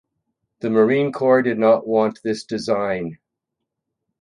The Marine Corps did not want this design.